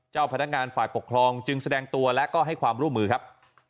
เจ้าพนักงานฝ่ายปกครองจึงแสดงตัวและก็ให้ความร่วมมือครับ